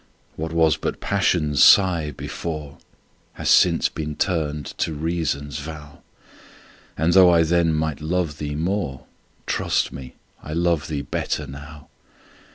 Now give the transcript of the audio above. What was but Passion's sigh before, Has since been turned to Reason's vow; And, though I then might love thee more, Trust me, I love thee better now.